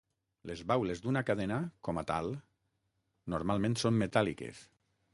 Les baules d'una cadena com a tal normalment són metàl·liques.